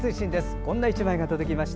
こんな１枚が届きました。